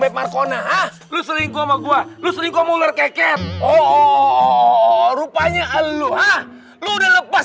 bermarkona lu seringkuh sama gua lu seringkuh mulut keket oh rupanya lu hah lu udah lepas